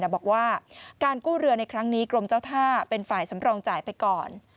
บอกว่าการกู้เรือในครั้งนี้กรมเจ้าท่าเป็นฝ่ายสำรองจ่ายไปก่อน